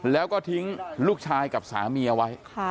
แล้วก็ทิ้งลูกชายกับสามีเอาไว้